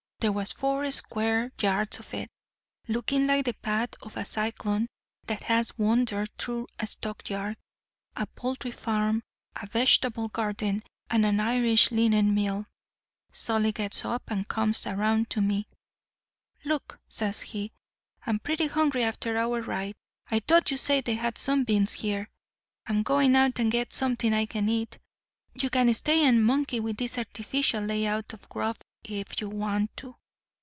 There was four square yards of it, looking like the path of a cyclone that has wandered through a stock yard, a poultry farm, a vegetable garden, and an Irish linen mill. Solly gets up and comes around to me. "'Luke,' says he, 'I'm pretty hungry after our ride. I thought you said they had some beans here. I'm going out and get something I can eat. You can stay and monkey with this artificial layout of grub if you want to.